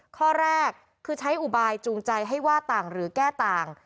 ข้อแรกคือใช้อุบายจูงใจให้ว่าต่างหรือแก้ต่าง